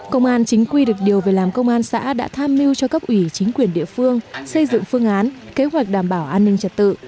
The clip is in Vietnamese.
công an chính quy được điều về làm công an xã đã tham mưu cho cấp ủy chính quyền địa phương xây dựng phương án kế hoạch đảm bảo an ninh trật tự